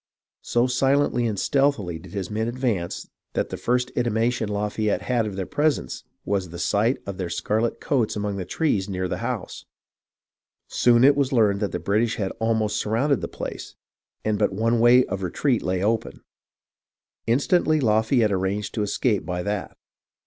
So BRANDYWINE AND GERRLVNTOWN 22$ silently and stealthily did his men advance that the first intimation Lafayette had of their presence was the sight of their scarlet coats among the trees near the house. Soon it was learned that the British had almost sur rounded the place, and but one way of retreat lay open. Instantly Lafayette arranged to escape by that.